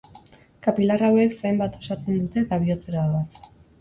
Kapilar hauek zain bat osatzen dute eta bihotzera doaz.